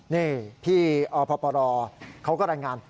นี่พี่อพปรเขาก็รายงาน